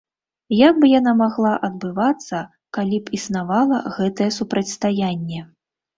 Як бы яна магла адбывацца, калі б існавала гэтае супрацьстаянне.